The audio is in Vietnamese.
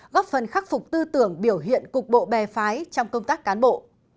góp phần khắc phục tư tưởng biểu hiện cục bộ bè phái trong công tác cán bộ